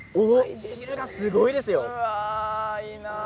汁がすごいですよ。